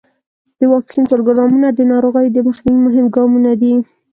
د واکسین پروګرامونه د ناروغیو د مخنیوي مهم ګامونه دي.